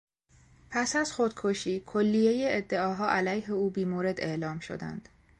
پس از خودکشی، کلیهی ادعاها علیه او بیمورد اعلام شدند.